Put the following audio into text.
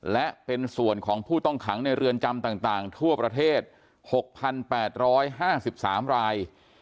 และเป็นส่วนของผู้ต้องขังในเรือนจำต่างทั่วประเทศ๖๘๕๓ราย